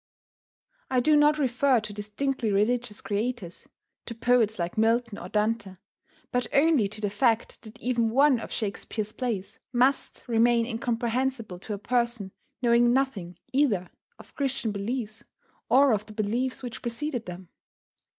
I do not refer to distinctly religious creators, to poets like Milton or Dante, but only to the fact that even one of Shakespeare's plays must remain incomprehensible to a person knowing nothing either of Christian beliefs or of the beliefs which preceded them.